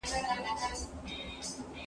زه به لرګي راوړلي وي!